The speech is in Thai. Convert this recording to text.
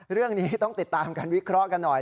เรื่องนี้ต้องติดตามการวิเคราะห์กันหน่อย